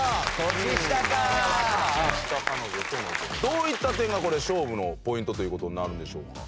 どういった点がこれ勝負のポイントという事になるんでしょうか？